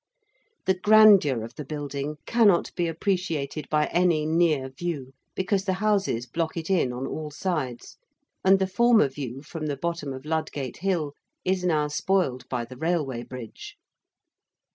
The grandeur of the building cannot be appreciated by any near view, because the houses block it in on all sides, and the former view from the bottom of Ludgate Hill is now spoiled by the railway bridge.